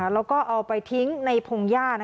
แล้วก็เอาไปทิ้งในพงหญ้า